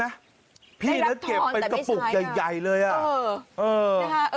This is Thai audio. ได้รับทอนแต่ไม่ใช้กันได้รับเก็บเป็นกระปุกใหญ่เลยอ่ะอ่อ